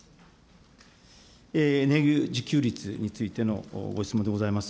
エネルギー自給率についてのご質問でございます。